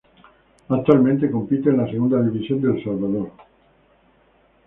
Actualmente compite en la Segunda División de El Salvador.